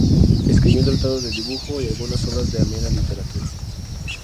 Escribió un "Tratado de dibujo" y algunas obras de amena literatura.